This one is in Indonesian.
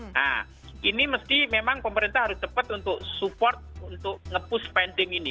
nah ini mesti memang pemerintah harus cepat untuk support untuk nge push spending ini